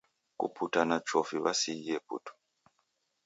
Kuputa na chofi wasighie putu.